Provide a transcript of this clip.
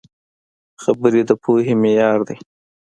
خبرې د پوهې معیار دي